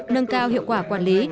nâng cao hiệu quả quản lý